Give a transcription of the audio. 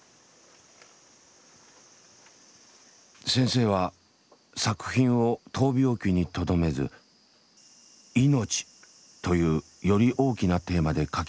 先生は作品を闘病記にとどめず「いのち」というより大きなテーマで書き直すという。